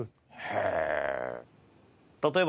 へえ。